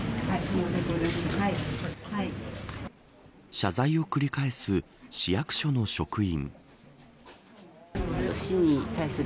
謝罪を繰り返す市役所の職員。